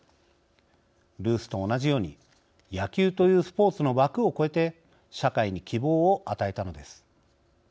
ルースと同じように野球というスポーツの枠を越えて社会に希望を与えたのです。